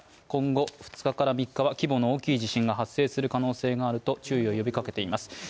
今後、２日から３日は規模の大きい地震が発生する可能性があると注意を呼びかけています。